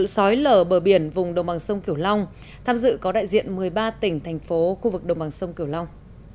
sói lở bờ biển vùng đồng bằng sông kiểu long tham dự có đại diện một mươi ba tỉnh thành phố khu vực đồng bằng sông kiều long